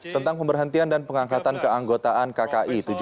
tentang pemberhentian dan pengangkatan keanggotaan kki